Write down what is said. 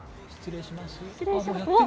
失礼します。